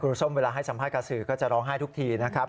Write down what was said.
ส้มเวลาให้สัมภาษณ์สื่อก็จะร้องไห้ทุกทีนะครับ